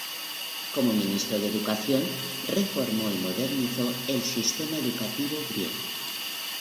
Como Ministro de Educación, reformó y modernizó el sistema educativo griego.